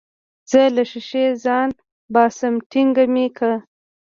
زه له ښيښې ځان باسم ټينګه مې که.